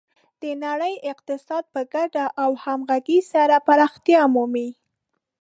د نړۍ اقتصاد په ګډه او همغږي سره پراختیا مومي.